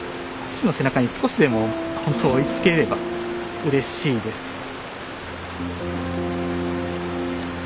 父の背中に少しでもほんと追いつければうれしいです。